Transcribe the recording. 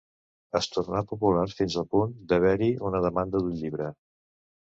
Es tornà popular fins al punt d'haver-hi una demanda d'un llibre.